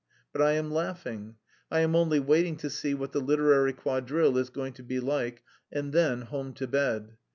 But I am laughing. I am only waiting to see what the 'literary quadrille' is going to be like, and then home to bed.